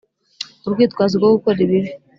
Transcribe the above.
Urwitwazo rwo gukora ibibi